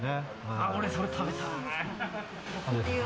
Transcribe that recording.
俺、それ食べたい。